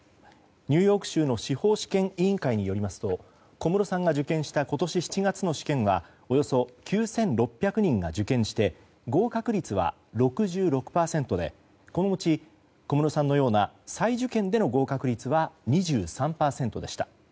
ニューヨーク州の司法試験委員会によりますと小室さんが受験した今年７月の試験はおよそ９６００人が受験して合格率は６６％でこのうち、小室さんのような再受験での合格率は２３％でした。